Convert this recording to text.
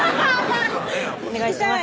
お願いします